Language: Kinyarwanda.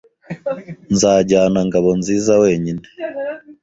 Nzajyana Ngabonziza wenyine.